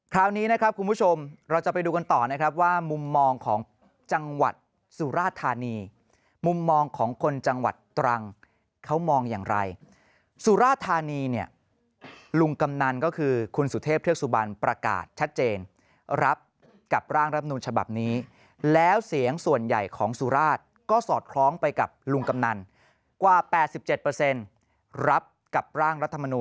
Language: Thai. คราวนี้นะครับคุณผู้ชมเราจะไปดูกันต่อนะครับว่ามุมมองของจังหวัดสุราธานีมุมมองของคนจังหวัดตรังเขามองอย่างไรสุราธานีเนี่ยลุงกำนันก็คือคุณสุเทพเทือกสุบันประกาศชัดเจนรับกับร่างรับนูลฉบับนี้แล้วเสียงส่วนใหญ่ของสุราชก็สอดคล้องไปกับลุงกำนันกว่า๘๗รับกับร่างรัฐมนูล